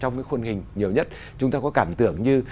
những hình nhiều nhất chúng ta có cảm tưởng như